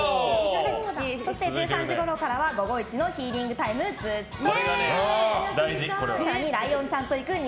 そして１３時ごろからは午後イチのヒーリングタイムずっとみ。